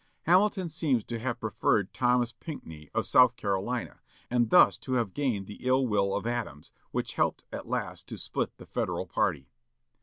Hamilton seems to have preferred Thomas Pinckney of South Carolina, and thus to have gained the ill will of Adams, which helped at last to split the Federal party.